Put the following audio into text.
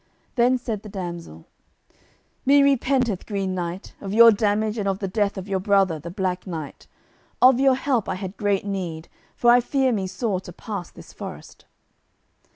Then said the damsel, "Me repenteth, Green Knight, of your damage and of the death of your brother the Black Knight; of your help I had great need, for I fear me sore to pass this forest."